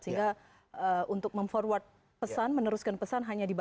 sehingga untuk mem forward pesan meneruskan pesan